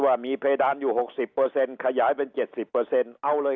ว่ามีเพดานอยู่๖๐เปอร์เซ็นต์ขยายเป็น๗๐เปอร์เซ็นต์เอาเลย